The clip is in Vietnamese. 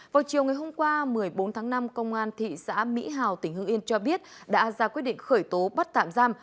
vào chiều ngày hôm qua một mươi bốn tháng năm công an thị xã mỹ hào tỉnh hưng yên cho biết đã ra quyết định khởi tố bắt tạm giam